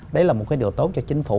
đấy là một điều tốt cho chính phủ